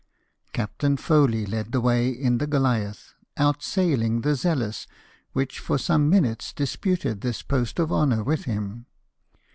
Captain Foley led the way in the Goliath, out sailing the Zealous, which for some minutes disputed this post of honour with him.